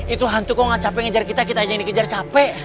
itu hantu kok capek ngejar kita kita aja yang dikejar capek